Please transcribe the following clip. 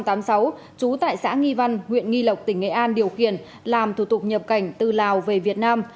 trú tại xã nghi văn huyện nghi lộc tỉnh nghệ an điều khiển làm thủ tục nhập cảnh từ lào về việt nam